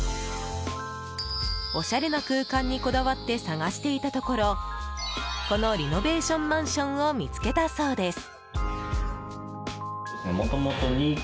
おしゃれな空間にこだわって探していたところこのリノベーションマンションを見つけたそうです。